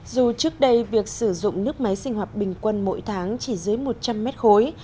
dù trước đây việc sử dụng nước máy sinh hoạt bình quân mỗi tháng chỉ dưới một trăm linh mét khối